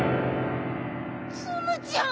ツムちゃん